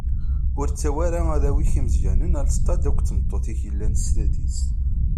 Ur ttawi ara arraw-ik imeẓyanen ɣer sdat akked tmeṭṭut yellan s tadist.